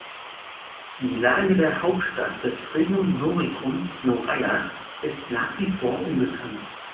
Die Lage der Hauptstadt des Regnum Noricum, Noreia, ist nach wie vor unbekannt.